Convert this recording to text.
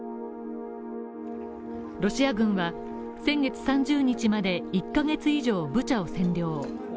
ロシア軍は、先月３０日まで１カ月以上ブチャを占領。